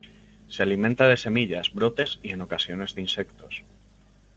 Se alimenta de semillas, brotes y en ocasiones de insectos.